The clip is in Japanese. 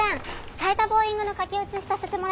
替えたボウイングの書き写しさせてもらってもいいですか？